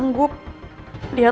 masuk ke dalam